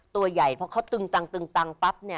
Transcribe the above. ตัวใหญ่เพราะเขาตึงตังปั๊บ